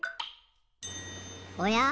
おや？